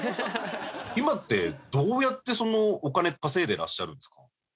今ってどうやってお金稼いでらっしゃるんですか？